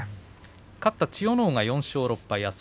勝った千代ノ皇が４勝６敗です。